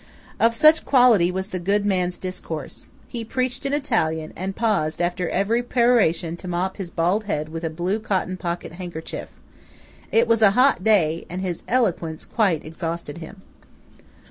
Of such quality was the good man's discourse. He preached in Italian, and paused after every peroration to mop his bald head with a blue cotton pocket handkerchief. It was a hot day, and his eloquence quite exhausted him.